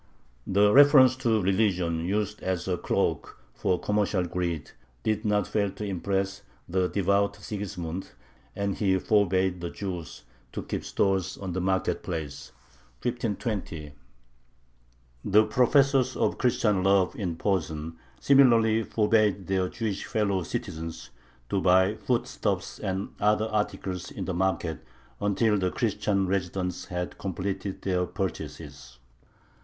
The reference to religion, used as a cloak for commercial greed, did not fail to impress the devout Sigismund, and he forbade the Jews to keep stores on the market place (1520). The professors of Christian love in Posen similarly forbade their Jewish fellow citizens to buy foodstuffs and other articles in the market until the Christian residents had completed their purchases.